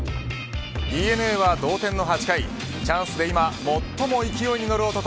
ＤｅＮＡは同点の８回チャンスで今、最も勢いに乗る男